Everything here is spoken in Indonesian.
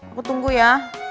aku tunggu ya